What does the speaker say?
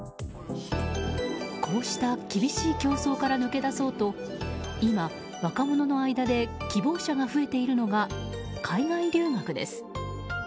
こうした厳しい競争から抜け出そうと今、若者の間で希望者が増えているのが海外留学です。